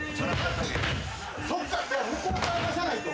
そっから向こっ側出さないと。